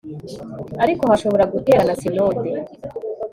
ariko hashobora guterana sinode